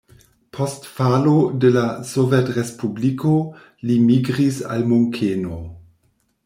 Post falo de la Sovetrespubliko li migris al Munkeno.